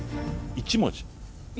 １文字。